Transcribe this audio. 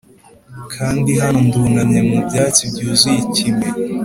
kandi hano ndunamye mu byatsi byuzuye ikime,